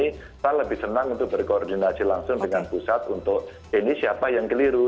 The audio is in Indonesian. kita lebih senang untuk berkoordinasi langsung dengan pusat untuk ini siapa yang keliru